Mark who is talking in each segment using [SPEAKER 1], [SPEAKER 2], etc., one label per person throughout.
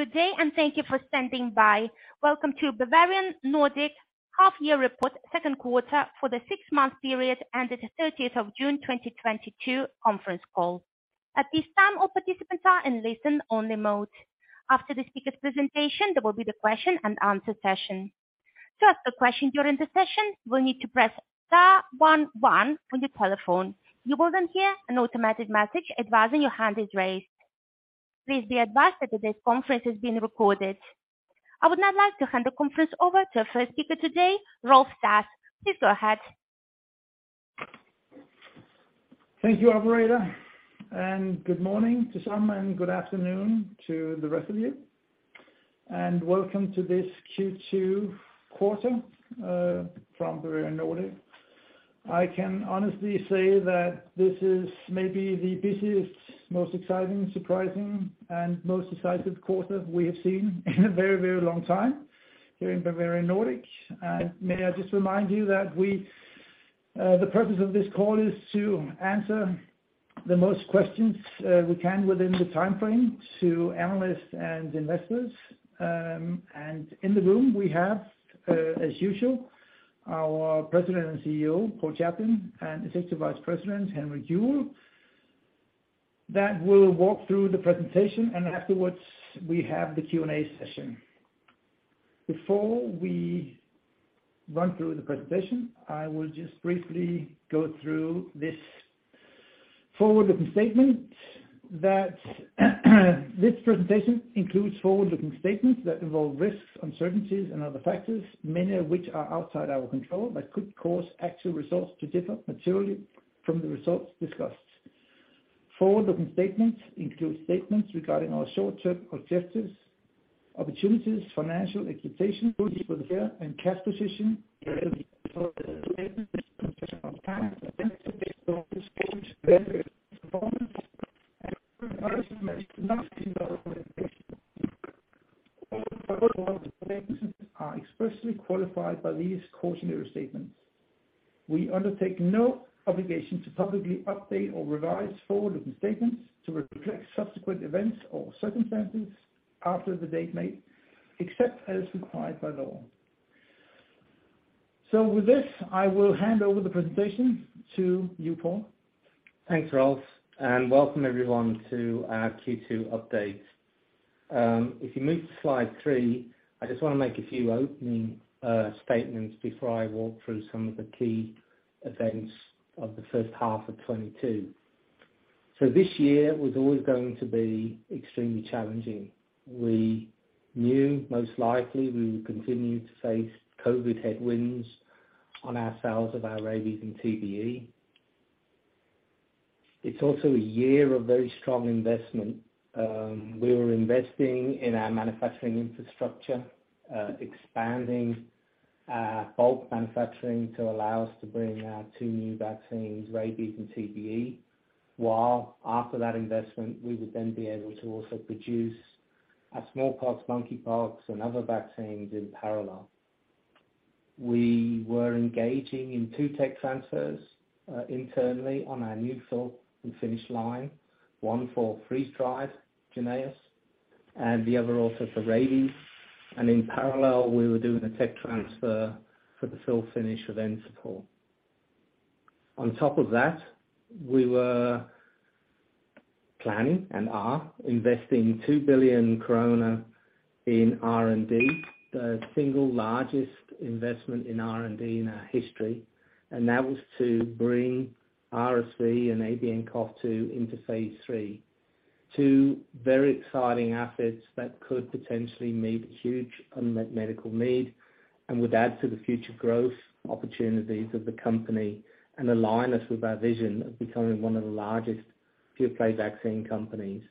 [SPEAKER 1] Good day, thank you for standing by. Welcome to Bavarian Nordic Half Year Report second quarter for the six-month period ended the June 30th, 2022 conference call. At this time, all participants are in listen only mode. After the speaker's presentation, there will be the question-and-answer session. To ask a question during the session, you will need to press star one one on your telephone. You will then hear an automatic message advising your hand is raised. Please be advised that today's conference is being recorded. I would now like to hand the conference over to our first speaker today, Rolf Sass. Please go ahead.
[SPEAKER 2] Thank you, operator, and good morning to some, and good afternoon to the rest of you. Welcome to this Q2 quarter from Bavarian Nordic. I can honestly say that this is maybe the busiest, most exciting, surprising, and most decisive quarter we have seen in a very, very long time here in Bavarian Nordic. May I just remind you that the purpose of this call is to answer the most questions we can within the time frame to analysts and investors. In the room, we have, as usual, our President and CEO, Paul Chaplin, and Executive Vice President, Henrik Juuel, that will walk through the presentation, and afterwards, we have the Q&A session. Before we run through the presentation, I will just briefly go through this forward-looking statement that this presentation includes forward-looking statements that involve risks, uncertainties, and other factors, many of which are outside our control, but could cause actual results to differ materially from the results discussed. Forward-looking statements include statements regarding our short-term objectives, opportunities, financial expectations, and cash position. They are expressly qualified by these cautionary statements. We undertake no obligation to publicly update or revise forward-looking statements to reflect subsequent events or circumstances after the date made, except as required by law. With this, I will hand over the presentation to you, Paul.
[SPEAKER 3] Thanks, Rolf, and welcome everyone to our Q2 update. If you move to slide 3, I just wanna make a few opening statements before I walk through some of the key events of the first half of 2022. This year was always going to be extremely challenging. We knew most likely we would continue to face COVID headwinds on our sales of our rabies and TBE. It's also a year of very strong investment. We were investing in our manufacturing infrastructure, expanding our bulk manufacturing to allow us to bring our two new vaccines, rabies and TBE, while after that investment, we would then be able to also produce our smallpox, monkeypox, and other vaccines in parallel. We were engaging in two tech transfers, internally on our new fill and finish line, one for freeze-dried JYNNEOS, and the other also for rabies. In parallel, we were doing a tech transfer for the fill finish of Encepur. On top of that, we were planning and are investing 2 billion krone in R&D, the single largest investment in R&D in our history, and that was to bring RSV and ABNCoV2 into phase III. Two very exciting assets that could potentially meet huge unmet medical need and would add to the future growth opportunities of the company and align us with our vision of becoming one of the largest pure-play vaccine companies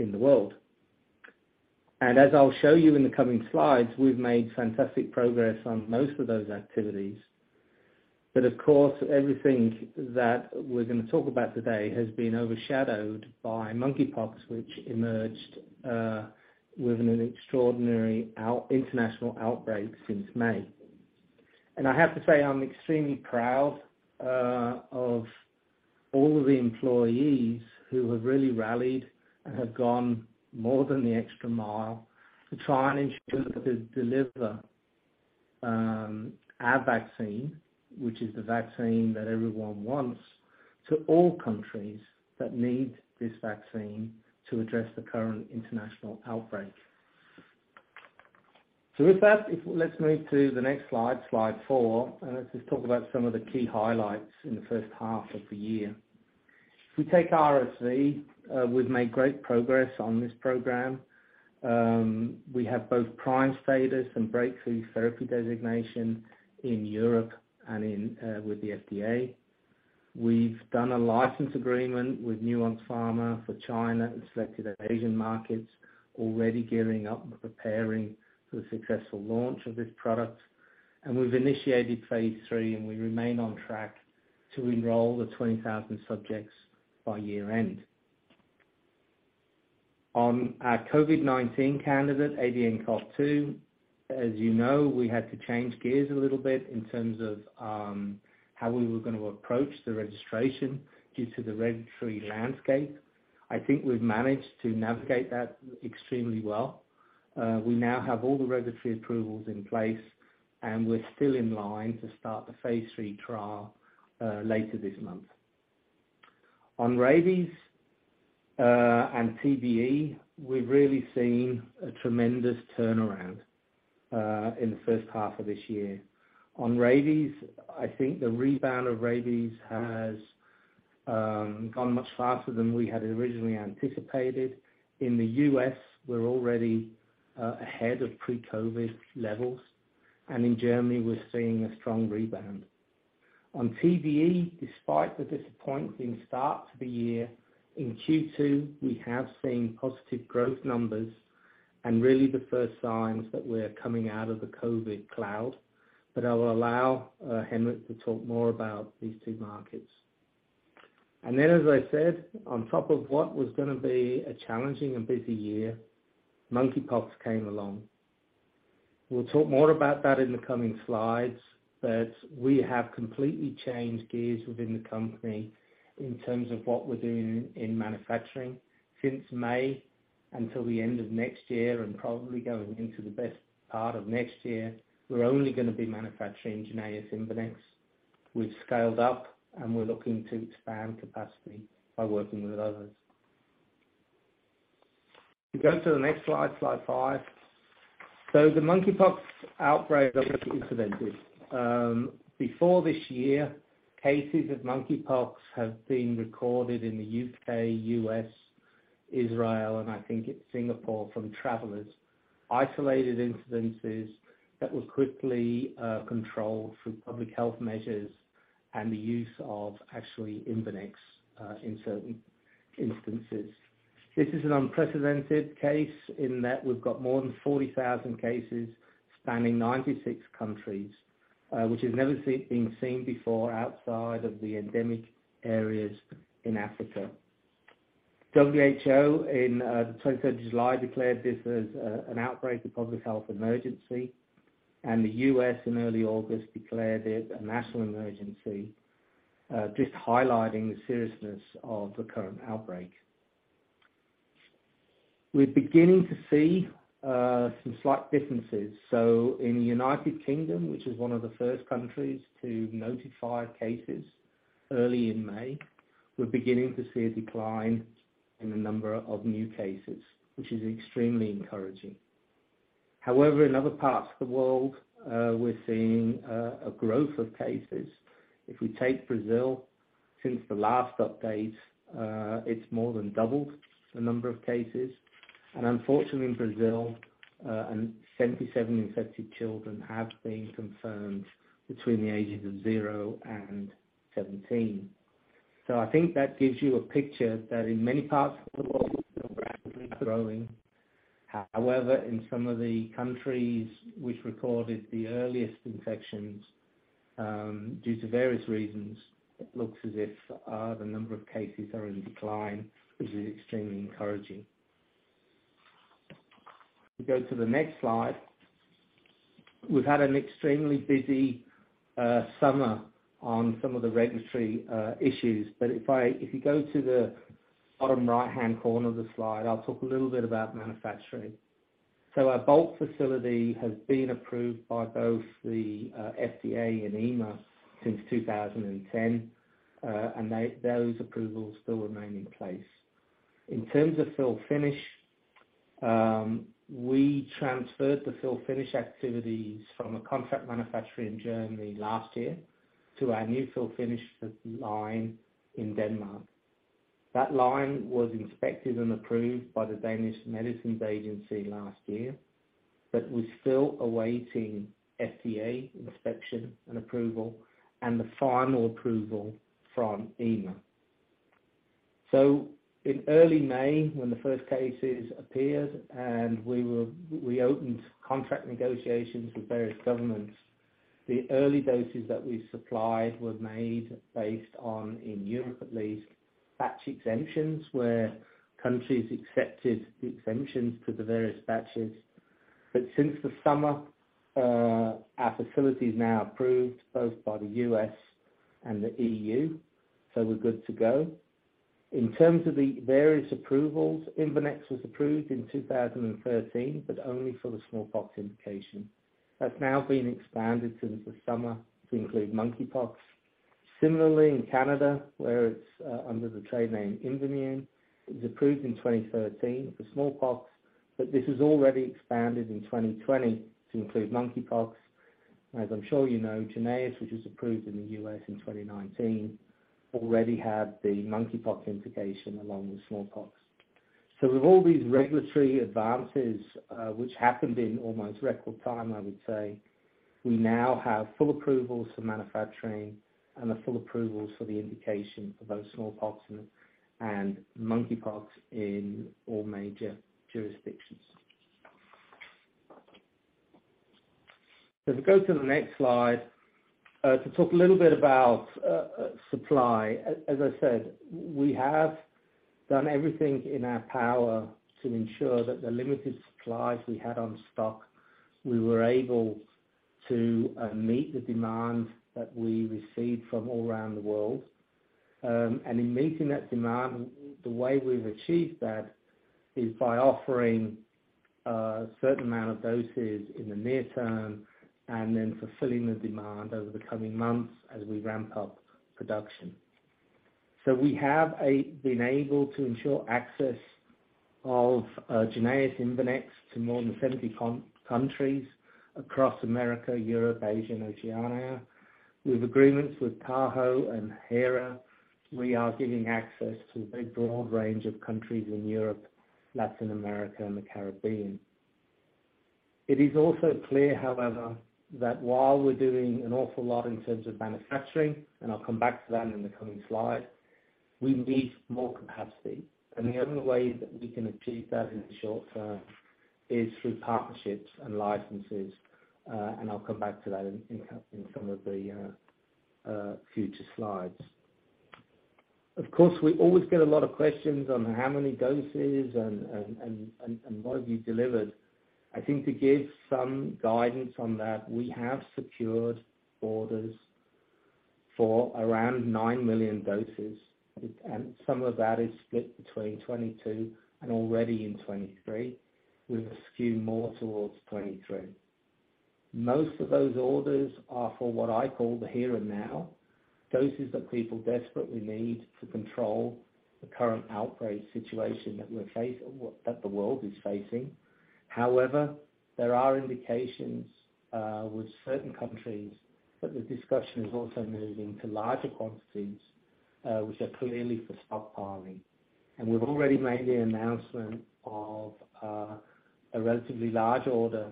[SPEAKER 3] in the world. As I'll show you in the coming slides, we've made fantastic progress on most of those activities. Of course, everything that we're gonna talk about today has been overshadowed by monkeypox, which emerged with an extraordinary international outbreak since May. I have to say I'm extremely proud of all the employees who have really rallied and have gone more than the extra mile to try and ensure that they deliver our vaccine, which is the vaccine that everyone wants, to all countries that need this vaccine to address the current international outbreak. With that, let's move to the next slide four, and let's just talk about some of the key highlights in the first half of the year. If we take RSV, we've made great progress on this program. We have both prime status and breakthrough therapy designation in Europe and with the FDA. We've done a license agreement with Nuance Pharma for China and selected Asian markets, already gearing up and preparing for the successful launch of this product. We've initiated phase III, and we remain on track to enroll the 20,000 subjects by year-end. On our COVID-19 candidate, ABNCoV2. As you know, we had to change gears a little bit in terms of how we were gonna approach the registration due to the regulatory landscape. I think we've managed to navigate that extremely well. We now have all the regulatory approvals in place, and we're still in line to start the phase III trial later this month. On rabies and TBE, we've really seen a tremendous turnaround in the first half of this year. On rabies, I think the rebound of rabies has gone much faster than we had originally anticipated. In the U.S., we're already ahead of pre-COVID levels. In Germany, we're seeing a strong rebound. On TBE, despite the disappointing start to the year, in Q2, we have seen positive growth numbers and really the first signs that we're coming out of the COVID cloud. I'll allow Henrik Juuel to talk more about these two markets. As I said, on top of what was gonna be a challenging and busy year, monkeypox came along. We'll talk more about that in the coming slides, but we have completely changed gears within the company in terms of what we're doing in manufacturing. Since May until the end of next year, and probably going into the best part of next year, we're only gonna be manufacturing JYNNEOS Imvanex. We've scaled up and we're looking to expand capacity by working with others. If you go to the next slide 5. The monkeypox outbreak is in Canada. Before this year, cases of monkeypox have been recorded in the U.K., U.S., Israel, and I think it's Singapore from travelers. Isolated incidents that were quickly controlled through public health measures and the use of actually Imvanex in certain instances. This is an unprecedented case in that we've got more than 40,000 cases spanning 96 countries, which has never been seen before outside of the endemic areas in Africa. WHO on the twenty-third of July declared this as an outbreak, a public health emergency, and the U.S. in early August declared it a national emergency, just highlighting the seriousness of the current outbreak. We're beginning to see some slight differences. In the United Kingdom, which is one of the first countries to notify cases early in May, we're beginning to see a decline in the number of new cases, which is extremely encouraging. However, in other parts of the world, we're seeing a growth of cases. If we take Brazil since the last update, it's more than doubled the number of cases. Unfortunately, in Brazil, 77 infected children have been confirmed between the ages of 0 and 17. I think that gives you a picture that in many parts of the world it's rapidly growing. However, in some of the countries which recorded the earliest infections, due to various reasons, it looks as if the number of cases are in decline, which is extremely encouraging. If you go to the next slide. We've had an extremely busy summer on some of the regulatory issues. If you go to the bottom right-hand corner of the slide, I'll talk a little bit about manufacturing. Our Bulk facility has been approved by both the FDA and EMA since 2010, and those approvals still remain in place. In terms of fill finish, we transferred the fill finish activities from a contract manufacturer in Germany last year to our new fill finish line in Denmark. That line was inspected and approved by the Danish Medicines Agency last year, but we're still awaiting FDA inspection and approval and the final approval from EMA. In early May, when the first cases appeared and we opened contract negotiations with various governments, the early doses that we supplied were made based on, in Europe at least, batch exemptions, where countries accepted the exemptions to the various batches. Since the summer, our facility is now approved both by the U.S. and the E.U., so we're good to go. In terms of the various approvals, Imvanex was approved in 2013, but only for the smallpox indication. That's now been expanded since the summer to include monkeypox. Similarly, in Canada, where it's under the trade name Imvamune, it was approved in 2013 for smallpox, but this was already expanded in 2020 to include monkeypox. As I'm sure you know, JYNNEOS, which was approved in the U.S. in 2019, already had the monkeypox indication along with smallpox. With all these regulatory advances, which happened in almost record time, I would say, we now have full approvals for manufacturing and the full approvals for the indication for both smallpox and monkeypox in all major jurisdictions. If we go to the next slide, to talk a little bit about supply. As I said, we have done everything in our power to ensure that the limited supplies we had on stock, we were able to meet the demand that we received from all around the world. In meeting that demand, the way we've achieved that is by offering a certain amount of doses in the near term and then fulfilling the demand over the coming months as we ramp up production. We have been able to ensure access of JYNNEOS, Imvanex to more than 70 countries across America, Europe, Asia, and Oceania. With agreements with PAHO and HERA, we are giving access to a very broad range of countries in Europe, Latin America, and the Caribbean. It is also clear, however, that while we're doing an awful lot in terms of manufacturing, and I'll come back to that in the coming slide, we need more capacity. The only way that we can achieve that in the short term is through partnerships and licenses. I'll come back to that in some of the future slides. Of course, we always get a lot of questions on how many doses and what have you delivered. I think to give some guidance on that, we have secured orders for around 9 million doses, and some of that is split between 2022 and already in 2023, with a skew more towards 2023. Most of those orders are for what I call the here and now, doses that people desperately need to control the current outbreak situation that the world is facing. However, there are indications with certain countries that the discussion is also moving to larger quantities, which are clearly for stockpiling. We've already made the announcement of a relatively large order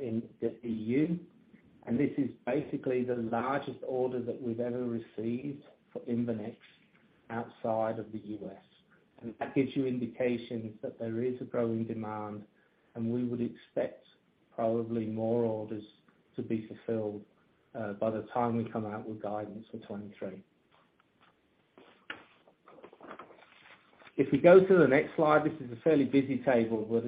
[SPEAKER 3] in the EU. This is basically the largest order that we've ever received for Imvanex outside of the U.S. That gives you indications that there is a growing demand, and we would expect probably more orders to be fulfilled by the time we come out with guidance for 2023. If we go to the next slide, this is a fairly busy table, but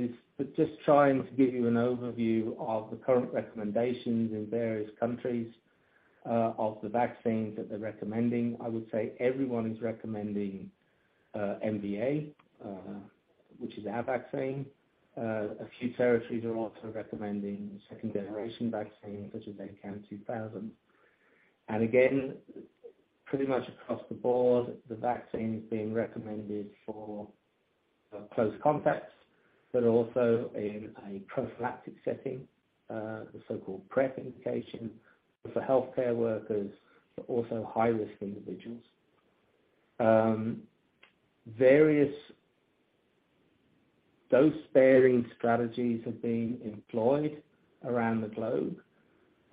[SPEAKER 3] it's just trying to give you an overview of the current recommendations in various countries of the vaccines that they're recommending. I would say everyone is recommending MVA, which is our vaccine. A few territories are also recommending second-generation vaccine, such as ACAM2000. Again, pretty much across the board, the vaccine is being recommended for close contacts, but also in a prophylactic setting, the so-called PrEP indication for healthcare workers, but also high-risk individuals. Various dose-sparing strategies have been employed around the globe.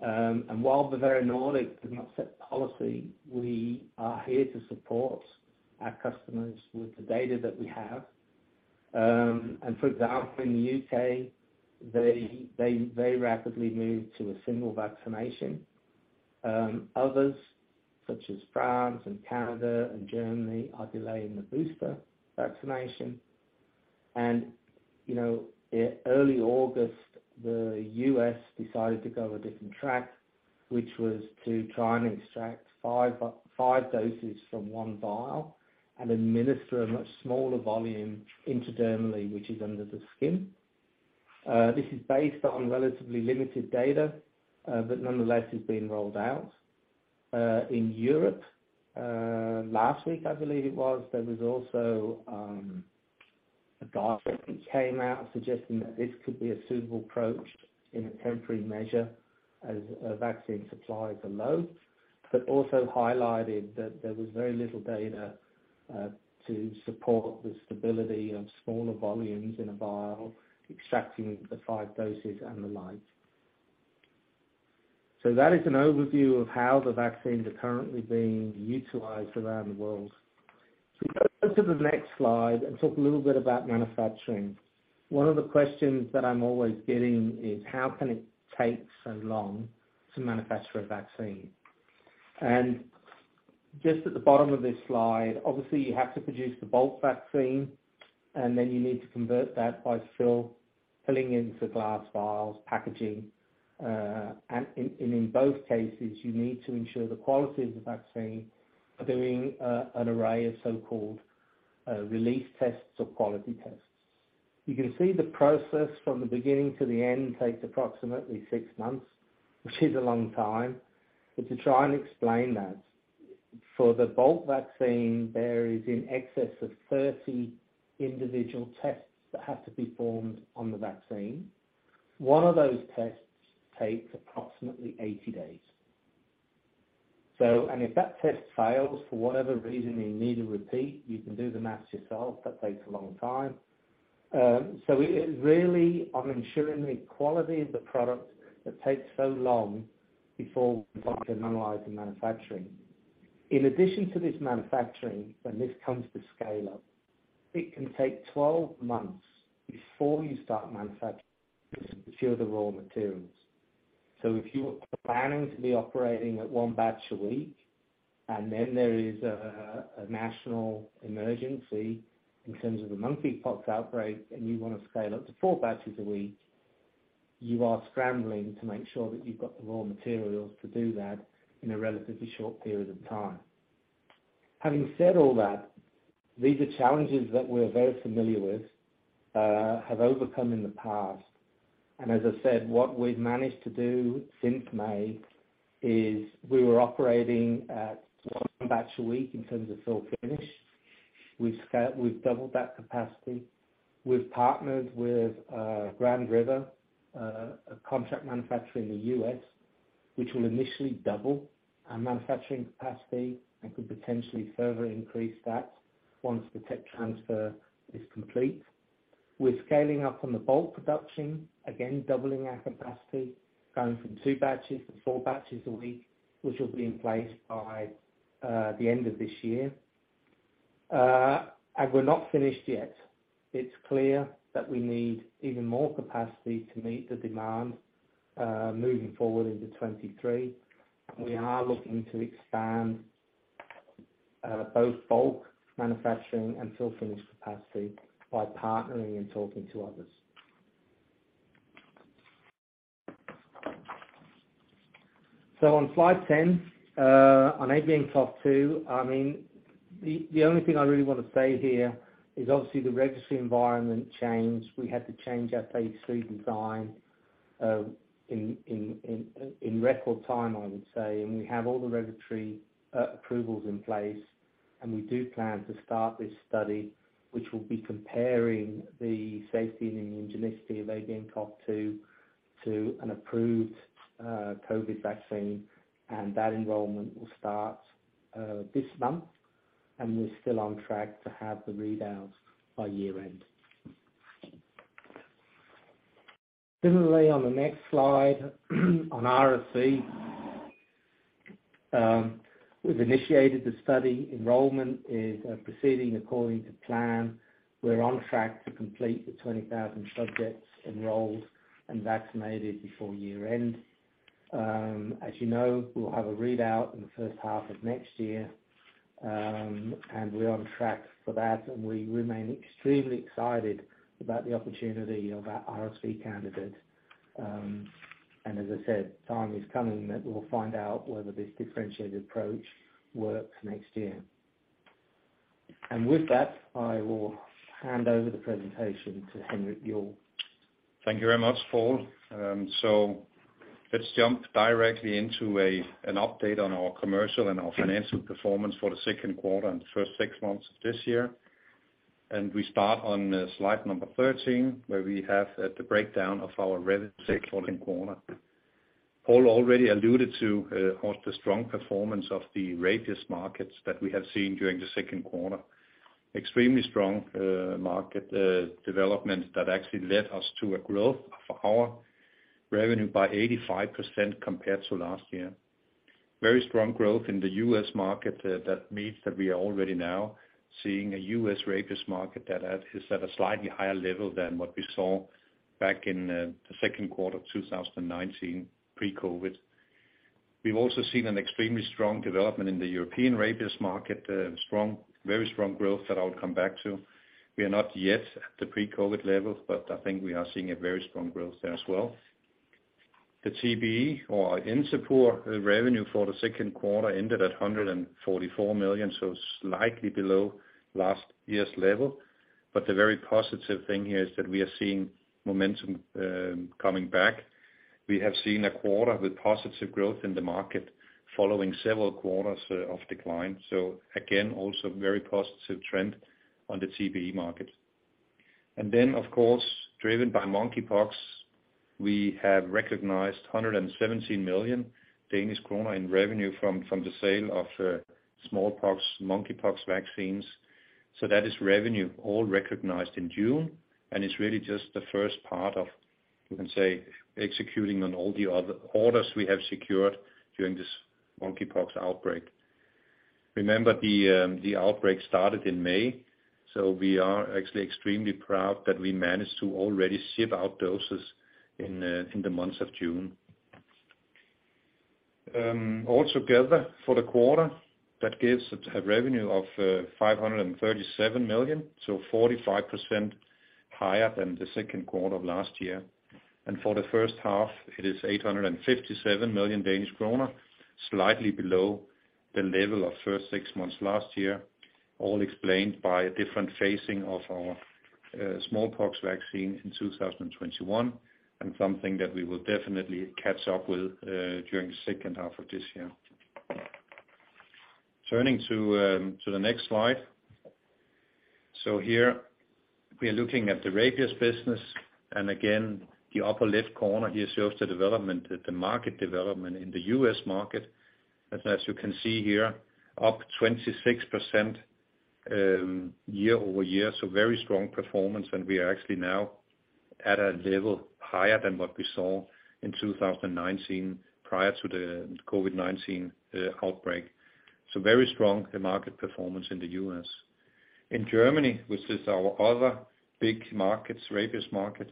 [SPEAKER 3] While Bavarian Nordic does not set policy, we are here to support our customers with the data that we have. For example, in the U.K., they very rapidly moved to a single vaccination. Others such as France and Canada and Germany are delaying the booster vaccination. You know, in early August, the U.S. decided to go a different track, which was to try and extract five doses from one vial and administer a much smaller volume intradermally, which is under the skin. This is based on relatively limited data, but nonetheless, it's being rolled out. In Europe, last week, I believe it was, there was also a draft that came out suggesting that this could be a suitable approach in a temporary measure as vaccine supplies are low, but also highlighted that there was very little data to support the stability of smaller volumes in a vial, extracting the five doses and the like. That is an overview of how the vaccines are currently being utilized around the world. If we go to the next slide and talk a little bit about manufacturing. One of the questions that I'm always getting is, how can it take so long to manufacture a vaccine? Just at the bottom of this slide, obviously, you have to produce the bulk vaccine, and then you need to convert that by filling into glass vials, packaging, and in both cases, you need to ensure the quality of the vaccine by doing an array of so-called release tests or quality tests. You can see the process from the beginning to the end takes approximately 6 months, which is a long time. To try and explain that, for the bulk vaccine, there is in excess of 30 individual tests that have to be performed on the vaccine. One of those tests takes approximately 80 days. If that test fails, for whatever reason, you need a repeat. You can do the math yourself. That takes a long time. It's really on ensuring the quality of the product that takes so long before we can analyze the manufacturing. In addition to this manufacturing, when it comes to scale-up, it can take 12 months before you start manufacturing to secure the raw materials. If you are planning to be operating at one batch a week, and then there is a national emergency in terms of the monkeypox outbreak, and you want to scale up to four batches a week, you are scrambling to make sure that you've got the raw materials to do that in a relatively short period of time. Having said all that, these are challenges that we're very familiar with, have overcome in the past. As I said, what we've managed to do since May is we were operating at one batch a week in terms of fill-finish. We've doubled that capacity. We've partnered with Grand River, a contract manufacturer in the U.S., which will initially double our manufacturing capacity and could potentially further increase that once the tech transfer is complete. We're scaling up on the bulk production, again, doubling our capacity, going from two batches to four batches a week, which will be in place by the end of this year. We're not finished yet. It's clear that we need even more capacity to meet the demand moving forward into 2023. We are looking to expand both bulk manufacturing and fill finish capacity by partnering and talking to others. On slide 10, on ABNCoV2, I mean, the only thing I really want to say here is obviously the regulatory environment changed. We had to change our phase III design in record time, I would say. We have all the regulatory approvals in place, and we do plan to start this study, which will be comparing the safety and immunogenicity of ABNCoV2 to an approved COVID vaccine, and that enrollment will start this month, and we're still on track to have the readouts by year-end. Similarly, on the next slide, on RSV, we've initiated the study. Enrollment is proceeding according to plan. We're on track to complete the 20,000 subjects enrolled and vaccinated before year-end. As you know, we'll have a readout in the first half of next year, and we're on track for that, and we remain extremely excited about the opportunity of our RSV candidate. As I said, time is coming that we'll find out whether this differentiated approach works next year. With that, I will hand over the presentation to Henrik Juuel.
[SPEAKER 4] Thank you very much, Paul. So let's jump directly into an update on our commercial and our financial performance for the second quarter and the first six months of this year. We start on slide number 13, where we have the breakdown of our revenue second quarter. Paul already alluded to the strong performance of the rabies markets that we have seen during the second quarter. Extremely strong market development that actually led us to a growth of our revenue by 85% compared to last year. Very strong growth in the U.S. market that means that we are already now seeing a U.S. rabies market that is at a slightly higher level than what we saw back in the second quarter of 2019 pre-COVID. We've also seen an extremely strong development in the European rabies market, strong, very strong growth that I will come back to. We are not yet at the pre-COVID level, but I think we are seeing a very strong growth there as well. The TBE or Encepur revenue for the second quarter ended at 144 million, so slightly below last year's level. The very positive thing here is that we are seeing momentum coming back. We have seen a quarter with positive growth in the market following several quarters of decline. Again, also very positive trend on the TBE market. Then, of course, driven by monkeypox, we have recognized 117 million Danish krone in revenue from the sale of smallpox, monkeypox vaccines. That is revenue all recognized in June, and it's really just the first part of, you can say, executing on all the other orders we have secured during this monkeypox outbreak. Remember the outbreak started in May, so we are actually extremely proud that we managed to already ship out doses in the months of June. All together for the quarter, that gives a revenue of 537 million, so 45% higher than the second quarter of last year. For the first half, it is 857 million Danish kroner, slightly below the level of first six months last year, all explained by a different phasing of our smallpox vaccine in 2021, and something that we will definitely catch up with during the second half of this year. Turning to the next slide. Here we are looking at the rabies business, and again, the upper left corner here shows the development, the market development in the U.S. Market. As you can see here, up 26%, year-over-year, so very strong performance, and we are actually now at a level higher than what we saw in 2019 prior to the COVID-19 outbreak. Very strong, the market performance in the U.S. In Germany, which is our other big market, Rabipur market,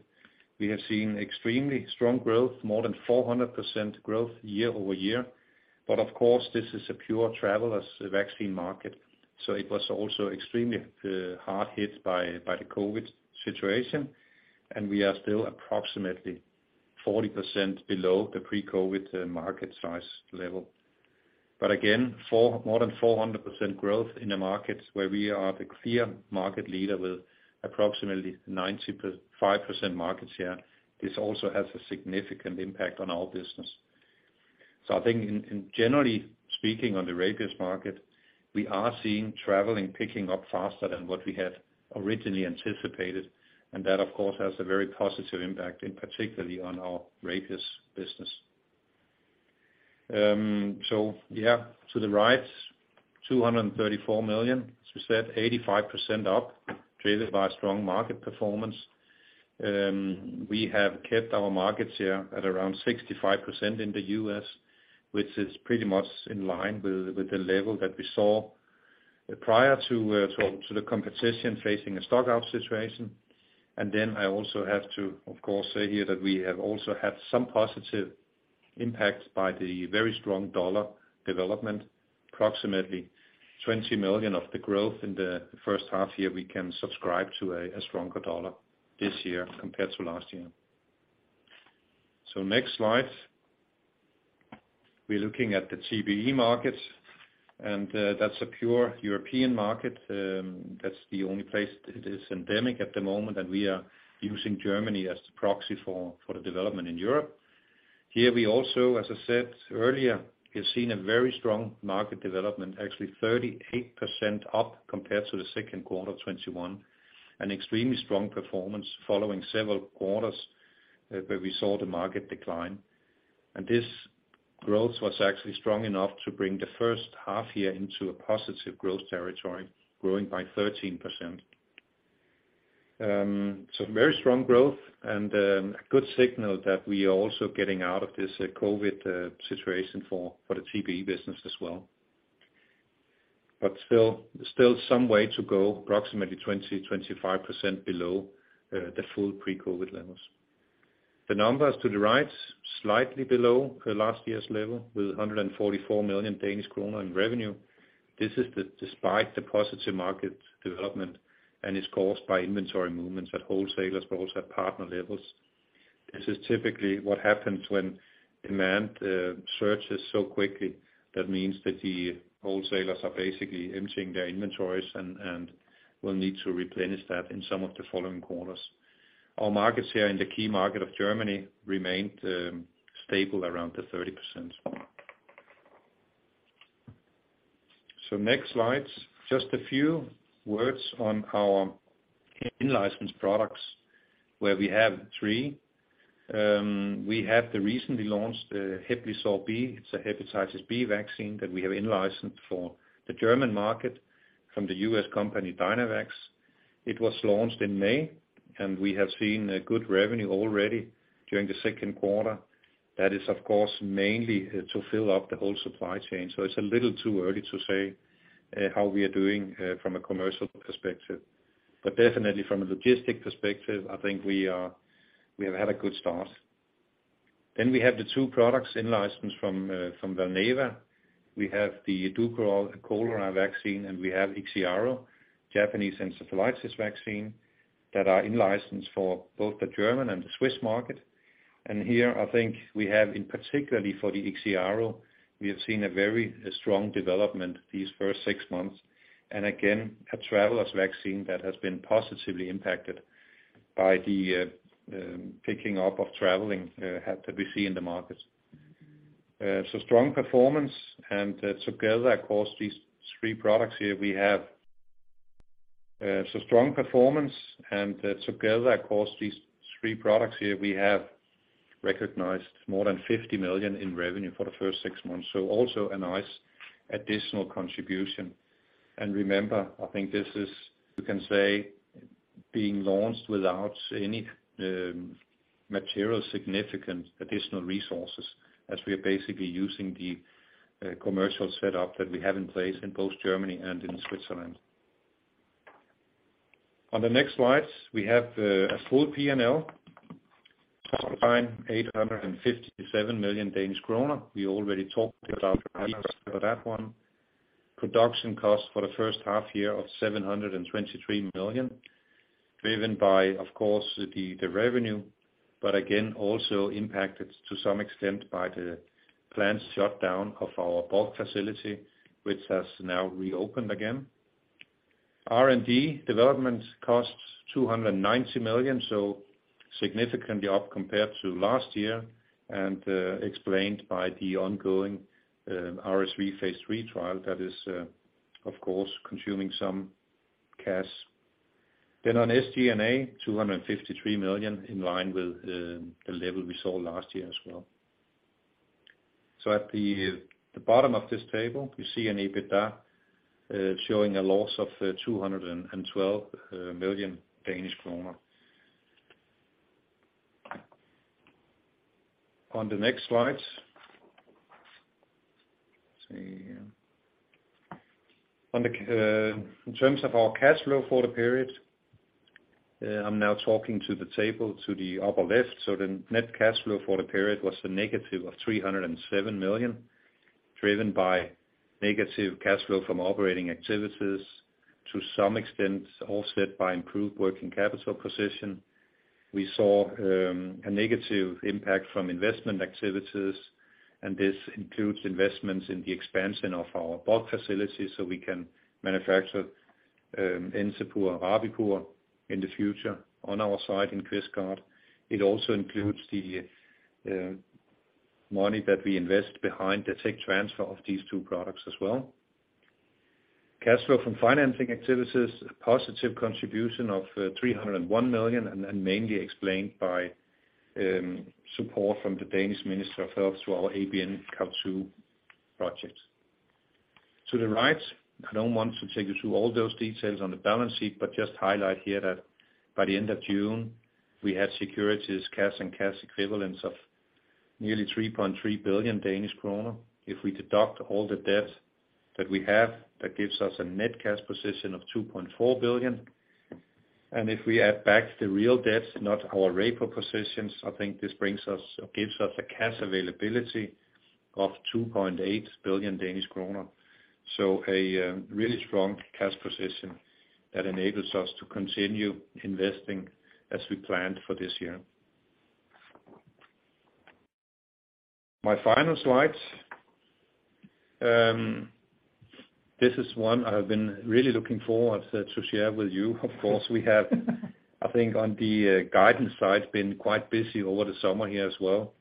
[SPEAKER 4] we have seen extremely strong growth, more than 400% growth year-over-year. Of course, this is a pure travelers vaccine market. It was also extremely hard hit by the COVID situation, and we are still approximately 40% below the pre-COVID market size level. More than 400% growth in a market where we are the clear market leader with approximately 95% market share. This also has a significant impact on our business. I think, generally speaking on the Rabipur market, we are seeing travel picking up faster than what we had originally anticipated, and that of course has a very positive impact in particular on our Rabipur business. To the right, 234 million, as we said, 85% up, driven by strong market performance. We have kept our market share at around 65% in the US, which is pretty much in line with the level that we saw prior to the competition facing a stock-out situation. I also have to, of course, say here that we have also had some positive impact by the very strong dollar development. Approximately $20 million of the growth in the first half year, we can subscribe to a stronger dollar this year compared to last year. Next slide. We're looking at the TBE markets, and that's a pure European market. That's the only place it is endemic at the moment, and we are using Germany as the proxy for the development in Europe. Here we also, as I said earlier, have seen a very strong market development, actually 38% up compared to the second quarter of 2021. An extremely strong performance following several quarters where we saw the market decline. This growth was actually strong enough to bring the first half year into a positive growth territory, growing by 13%. Very strong growth and a good signal that we are also getting out of this COVID situation for the TBE business as well. Still some way to go, approximately 20%-25% below the full pre-COVID levels. The numbers to the right, slightly below last year's level with 144 million Danish kroner in revenue. This is despite the positive market development and is caused by inventory movements at wholesalers but also at partner levels. This is typically what happens when demand surges so quickly. That means that the wholesalers are basically emptying their inventories and will need to replenish that in some of the following quarters. Our markets here in the key market of Germany remained stable around 30%. Next slide, just a few words on our in-license products, where we have three. We have the recently launched HEPLISAV-B. It's a hepatitis B vaccine that we have in-licensed for the German market from the U.S. company Dynavax. It was launched in May, and we have seen good revenue already during the second quarter. That is, of course, mainly to fill up the whole supply chain. It's a little too early to say how we are doing from a commercial perspective. Definitely from a logistic perspective, I think we have had a good start. We have the two products in-licensed from Valneva. We have the Dukoral cholera vaccine, and we have IXIARO, Japanese encephalitis vaccine, that are in-licensed for both the German and the Swiss market. Here, I think we have in particular for the IXIARO, we have seen a very strong development these first six months. Again, a traveler's vaccine that has been positively impacted by the picking up of traveling that we see in the markets. Strong performance and together across these three products here we have recognized more than 50 million in revenue for the first six months. Also a nice additional contribution. Remember, I think this is, you can say, being launched without any material significant additional resources as we are basically using the commercial setup that we have in place in both Germany and in Switzerland. On the next slides, we have a full P&L, total 985 million Danish kroner. We already talked about the reasons for that one. Production costs for the first half year of 723 million, driven by of course the revenue, but again also impacted to some extent by the planned shutdown of our Bulk facility, which has now reopened again. R&D development costs 290 million, so significantly up compared to last year and explained by the ongoing RSV phase III trial that is of course consuming some cash. On SG&A, 253 million, in line with the level we saw last year as well. At the bottom of this table, you see an EBITDA showing a loss of 212 million Danish kroner. On the next slide. Let's see here. In terms of our cash flow for the period, I'm now talking to the table to the upper left. The net cash flow for the period was a negative of 307 million, driven by negative cash flow from operating activities to some extent, offset by improved working capital position. We saw a negative impact from investment activities, and this includes investments in the expansion of our bulk facilities so we can manufacture Encepur, Rabipur in the future on our site in Kvistgaard. It also includes the money that we invest behind the tech transfer of these two products as well. Cash flow from financing activities, a positive contribution of 301 million, and mainly explained by support from the Danish Ministry of Health to our ABNCoV2 project. To the right, I don't want to take you through all those details on the balance sheet, but just highlight here that by the end of June, we had securities, cash and cash equivalents of nearly 3.3 billion Danish kroner. If we deduct all the debt that we have, that gives us a net cash position of 2.4 billion. If we add back the real debts, not our repo positions, I think this brings us or gives us a cash availability of 2.8 billion Danish kroner. Really strong cash position that enables us to continue investing as we planned for this year. My final slide. This is one I have been really looking forward to share with you. Of course, we have, I think, on the guidance side, been quite busy over the summer here as well.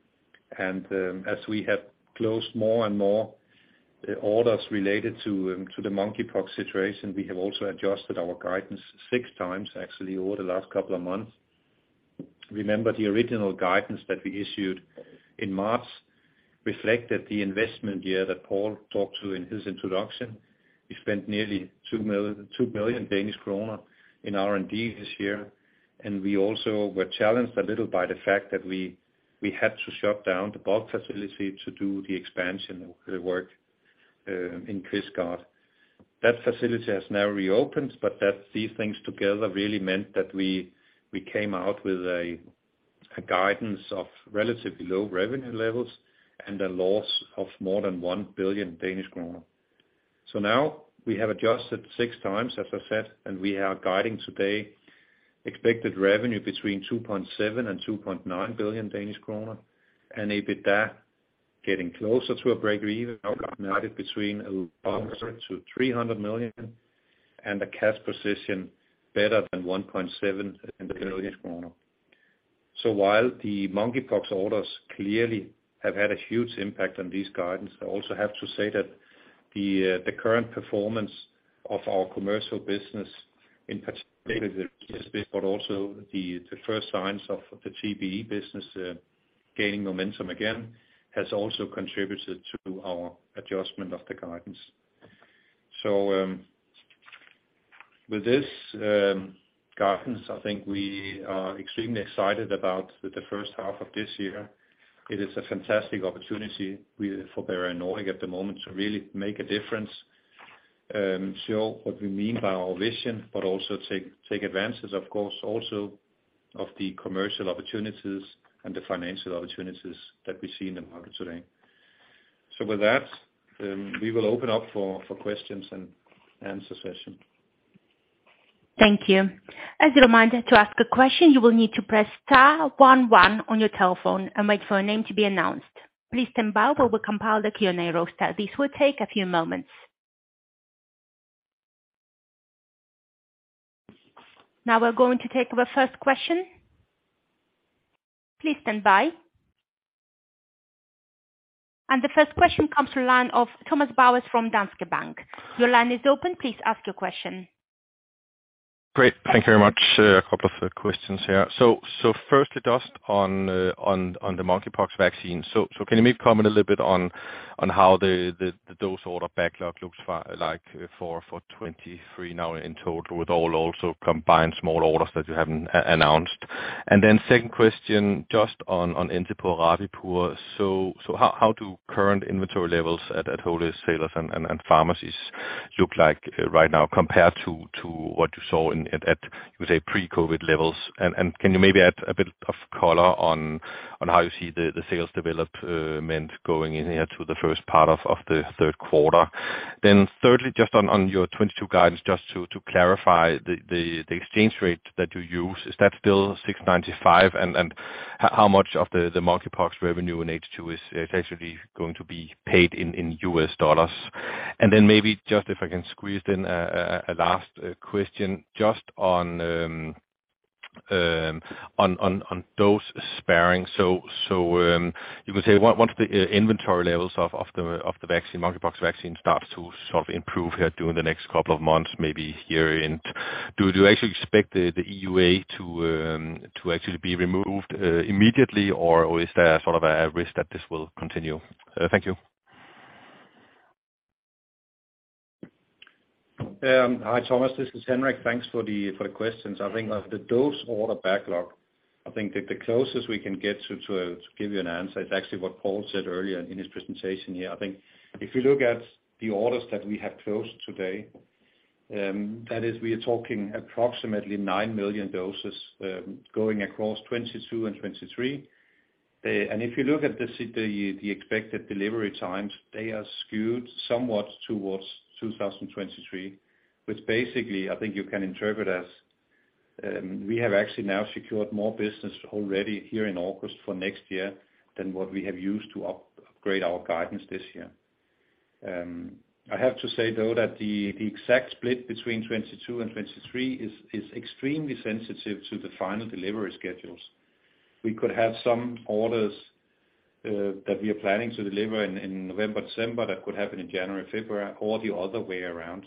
[SPEAKER 4] As we have closed more and more orders related to the monkeypox situation, we have also adjusted our guidance 6x actually over the last couple of months. Remember, the original guidance that we issued in March reflected the investment year that Paul talked to in his introduction. We spent nearly 2 billion Danish kroner in R&D this year, and we also were challenged a little by the fact that we had to shut down the bulk facility to do the expansion work in Kvistgaard. That facility has now reopened, but that these things together really meant that we came out with a guidance of relatively low revenue levels and a loss of more than 1 billion Danish kroner. Now we have adjusted 6x, as I said, and we are guiding today expected revenue between 2.7 billion and 2.9 billion Danish kroner and EBITDA getting closer to a break-even between 100 million-300 million and a cash position better than 1.7 billion Danish kroner. While the monkeypox orders clearly have had a huge impact on these guidance, I also have to say that the current performance of our commercial business, in particular the GSP, but also the first signs of the GBE business gaining momentum again, has also contributed to our adjustment of the guidance. With this guidance, I think we are extremely excited about the first half of this year. It is a fantastic opportunity for Bavarian Nordic at the moment to really make a difference, show what we mean by our vision, but also take advantage, of course, of the commercial opportunities and the financial opportunities that we see in the market today. With that, we will open up for questions and answers session.
[SPEAKER 1] Thank you. As a reminder to ask a question, you will need to press star one one on your telephone and wait for a name to be announced. Please stand by while we compile the Q&A roster. This will take a few moments. Now we're going to take the first question. Please stand by. The first question comes from the line of Thomas Bowers from Danske Bank. Your line is open. Please ask your question.
[SPEAKER 5] Great. Thank you very much. A couple of questions here. Firstly, just on the monkeypox vaccine. Can you maybe comment a little bit on how the dose order backlog looks like for 2023 now in total with all also combined small orders that you haven't announced? Second question, just on Encepur, Rabipur. How do current inventory levels at wholesalers and pharmacies look like right now compared to what you saw in, you would say pre-COVID levels? Can you maybe add a bit of color on how you see the sales development going in here to the first part of the third quarter? Thirdly, just on your 2022 guidance just to clarify the exchange rate that you use, is that still 6.95? How much of the monkeypox revenue in H2 is actually going to be paid in U.S. dollars? Maybe just if I can squeeze in a last question just on dose sparing. You could say, once the inventory levels of the vaccine, monkeypox vaccine starts to sort of improve here during the next couple of months, maybe year into. Do you actually expect the EUA to actually be removed immediately? Or is there sort of a risk that this will continue? Thank you.
[SPEAKER 4] Hi, Thomas Bowers, this is Henrik Juuel. Thanks for the questions. I think of the dose order backlog, I think that the closest we can get to give you an answer, it's actually what Paul Chaplin said earlier in his presentation here. I think if you look at the orders that we have closed today, that is, we are talking approximately 9 million doses, going across 2022 and 2023. If you look at the expected delivery times, they are skewed somewhat towards 2023, which basically I think you can interpret as, we have actually now secured more business already here in August for next year than what we have used to upgrade our guidance this year. I have to say though, that the exact split between 2022 and 2023 is extremely sensitive to the final delivery schedules. We could have some orders that we are planning to deliver in November, December, that could happen in January, February, or the other way around.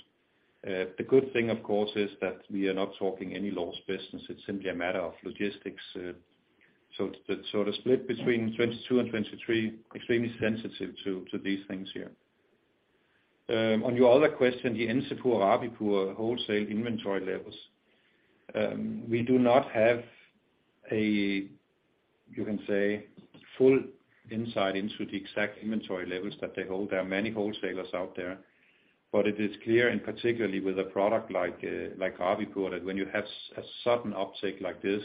[SPEAKER 4] The good thing of course is that we are not talking about any lost business. It's simply a matter of logistics. The sort of split between 2022 and 2023 extremely sensitive to these things here. On your other question, the Encepur and Rabipur wholesale inventory levels. We do not have a, you can say, full insight into the exact inventory levels that they hold. There are many wholesalers out there, but it is clear, and particularly with a product like Rabipur, that when you have a sudden uptake like this,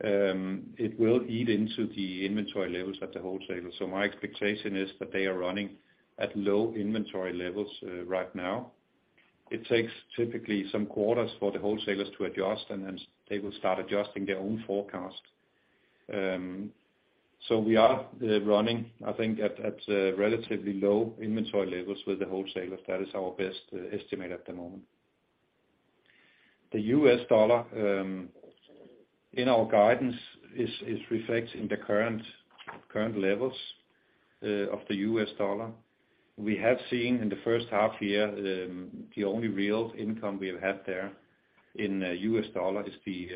[SPEAKER 4] it will eat into the inventory levels at the wholesalers. My expectation is that they are running at low inventory levels right now. It takes typically some quarters for the wholesalers to adjust, and then they will start adjusting their own forecast. We are running I think at relatively low inventory levels with the wholesalers. That is our best estimate at the moment. The U.S. dollar in our guidance is reflected in the current levels of the U.S. dollar. We have seen in the first half year the only real income we have had there in U.S. dollar is the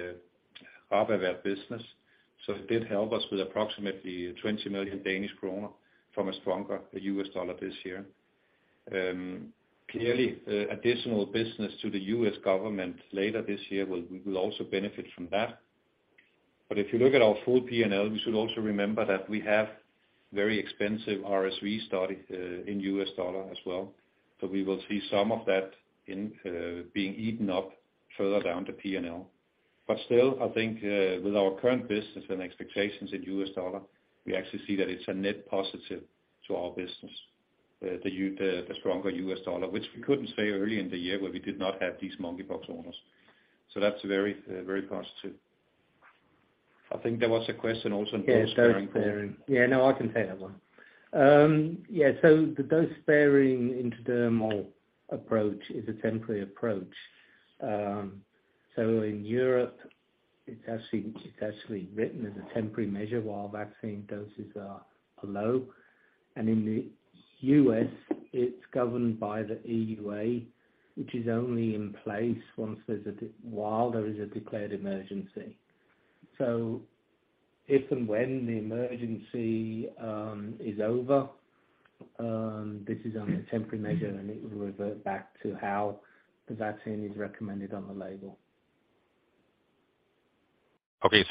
[SPEAKER 5] Okay.